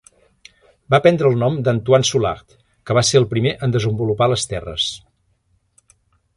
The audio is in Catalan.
Va prendre el nom de Antoine Soulard, que va ser el primer en desenvolupar les terres.